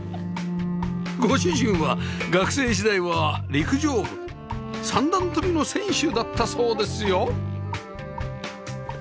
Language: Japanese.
ご主人は学生時代は陸上部三段跳びの選手だったそうですよ